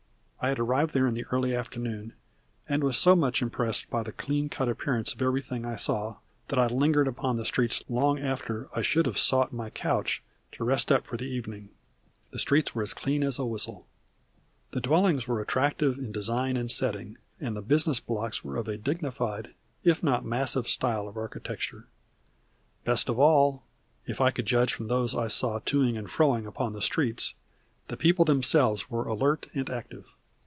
I had arrived there early in the afternoon, and was so much impressed by the clean cut appearance of everything I saw that I lingered upon the streets long after I should have sought my couch to rest up for the evening. The streets were as clean as a whistle. The dwellings were attractive in design and setting, and the business blocks were of a dignified if not massive style of architecture. Best of all, if I could judge from those I saw to ing and fro ing upon the streets, the people themselves were alert and active.